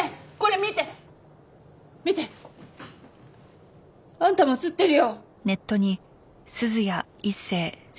見て！あんたも写ってるよ！